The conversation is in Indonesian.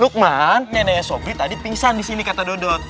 lukman nenek sobri tadi pingsan di sini kata dodot